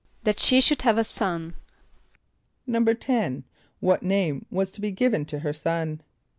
=That she should have a son.= =10.= What name was to be given to her son?